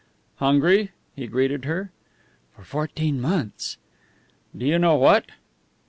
"Hungry?" he greeted her. "For fourteen months!" "Do you know what?"